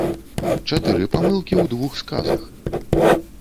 Чатыры памылкі ў двух сказах.